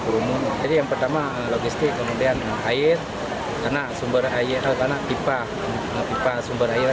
kerumun jadi yang pertama logistik kemudian air karena sumber air tanah pipa pipa sumber air